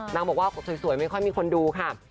นางบอกว่าสวยไม่ค่อยมีคนดูค่ะ